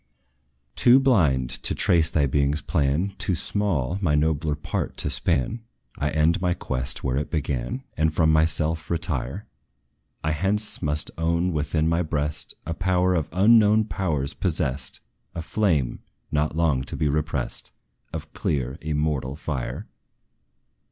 Too blind to trace thy being's plan, Too small my nobler part to span, I end my quest where it began, And from myself retire. I hence must own within my breast A power of unknown powers possessed A flame, not long to be repressed, Of clear immortal fire.